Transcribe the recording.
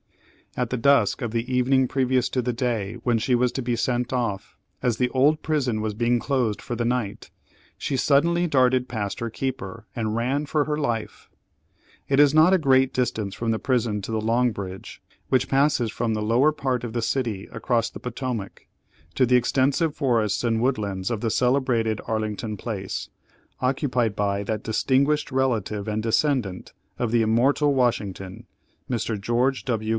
At the dusk of the evening previous to the day when she was to be sent off, as the old prison was being closed for the night, she suddenly darted past her keeper, and ran for her life. It is not a great distance from the prison to the Long Bridge, which passes from the lower part of the city across the Potomac, to the extensive forests and woodlands of the celebrated Arlington Place, occupied by that distinguished relative and descendant of the immortal Washington, Mr. George W.